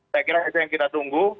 saya kira itu yang kita tunggu